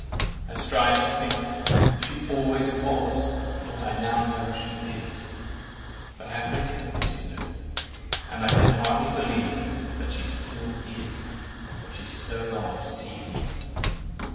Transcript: I strive to think she always was what I now know she is; but I have great difficulty in it, and can hardly believe but she still IS what she so long SEEMED.